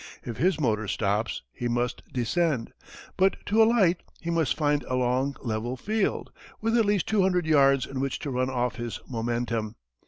If his motor stops he must descend. But to alight he must find a long level field, with at least two hundred yards in which to run off his momentum.